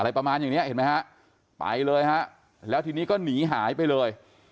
ประมาณอย่างเนี้ยเห็นไหมฮะไปเลยฮะแล้วทีนี้ก็หนีหายไปเลย